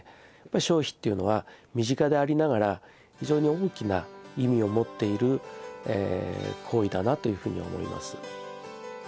消費っていうのは身近でありながら非常に大きな意味を持っている行為だなというふうに思います。